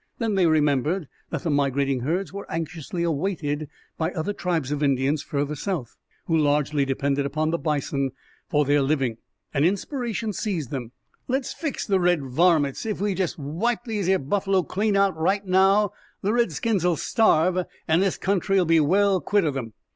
Then they remembered that the migrating herds were anxiously awaited by other tribes of Indians further south, who largely depended upon the bison for their living. An inspiration seized them. "Let's fix the red varmints! If we jest wipe these 'ere buffalo clean out, right now, the redskins'll starve, an' this country'll be well quit o' them!"